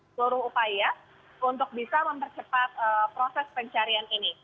seluruh upaya untuk bisa mempercepat proses pencarian ini